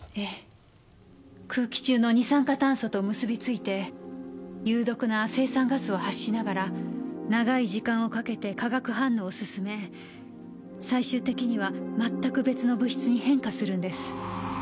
空気中の二酸化炭素と結びついて有毒な青酸ガスを発しながら長い時間をかけて化学反応を進め最終的にはまったく別の物質に変化するんです。